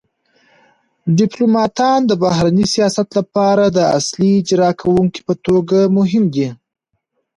ډیپلوماتان د بهرني سیاست لپاره د اصلي اجرا کونکو په توګه مهم دي